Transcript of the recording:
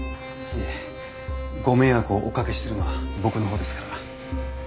いえご迷惑をおかけしてるのは僕のほうですから。